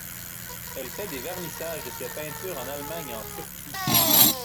Elle a fait des vernissages de ses peintures en Allemagne et en Turquie.